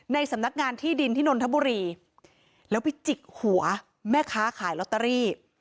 สำนักงานที่ดินที่นนทบุรีแล้วไปจิกหัวแม่ค้าขายลอตเตอรี่